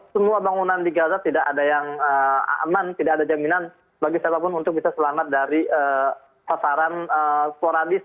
semua bangunan di gaza tidak ada yang aman tidak ada jaminan bagi siapapun untuk bisa selamat dari sasaran sporadis